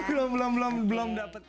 belum belum belum belum dapet